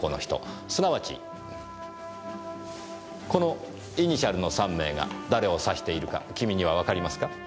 このイニシャルの３名が誰を指しているか君にはわかりますか？